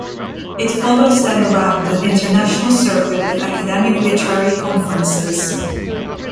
It follows them around the international circuit of academic literary conferences.